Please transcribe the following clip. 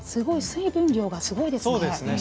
水分量がすごいですね。